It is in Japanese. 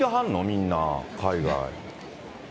みんな、海外。